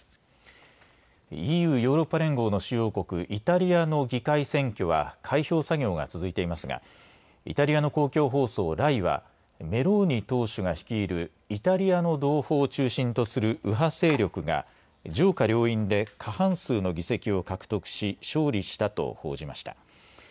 ＥＵ・ヨーロッパ連合の主要国、イタリアの議会選挙は開票作業が続いていますがイタリアの公共放送ＲＡＩはメローニ党首が率いるイタリアの同胞を中心とする右派勢力が上下両院で過半数の議席を獲得し勝利したと報じました。